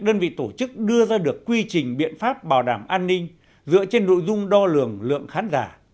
đơn vị tổ chức đưa ra được quy trình biện pháp bảo đảm an ninh dựa trên nội dung đo lường lượng khán giả